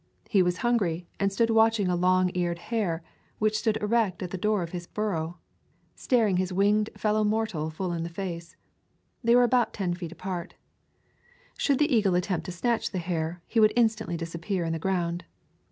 He was hungry and stood watching a long [ 200 ] Twenty Hill Hollow eared hare, which stood erect at the door of his burrow, staring his winged fellow mortal full in the face. They were about ten feet apart. Should the eagle attempt to snatch the hare, he would instantly disappear in the ground.